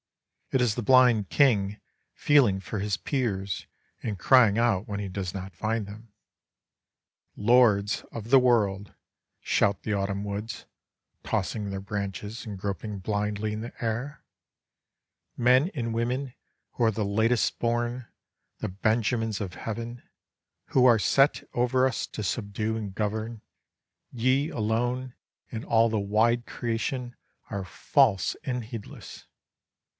It is the blind king feeling for his peers and crying out when he does not find them. "Lords of the world" shout the autumn woods, tossing their branches and groping blindly in the air "men and women who are the latest born, the Benjamins of heaven, who are set over us to subdue and govern, ye alone, in all the wide creation, are false and heedless!